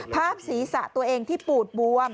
ภาพศีรษะตัวเองที่ปูดบวม